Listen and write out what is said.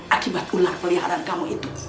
akibat ular peliharaan kamu itu